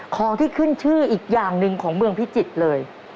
ของที่ขึ้นชื่ออีกอย่างหนึ่งของเมืองพิจิตรเลย